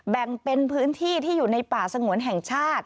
แบ่งเป็นพื้นที่ที่อยู่ในป่าสงวนแห่งชาติ